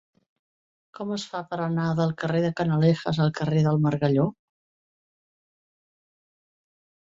Com es fa per anar del carrer de Canalejas al carrer del Margalló?